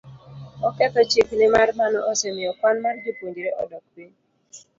oketho chik, nimar mano osemiyo kwan mar jopuonjre odok piny,